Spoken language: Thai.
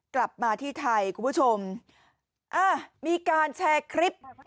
กลับมาที่ไทยคุณผู้ชมอ่ามีการแชร์คลิป